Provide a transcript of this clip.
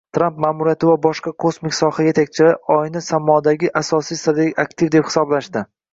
Tramp maʼmuriyati va boshqa kosmik soha yetakchilari Oyni samodagi asosiy strategik aktiv deb hisoblashadi.